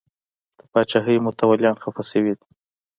د پاچاهۍ متولیان خفه شوي دي.